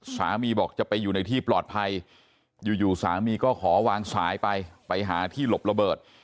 สามีบอกจะไปอยู่ในที่ปลอดภัยอยู่สามีก็ขอวางสายไปไปหาที่หลบระเบิด